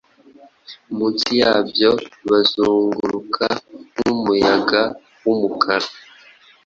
Munsi yabyo bazunguruka, nkumuyaga wumukara,